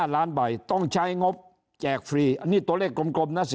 ๑๕ล้านใบต้องใช้งบแจกฟรีตัวเลขกลม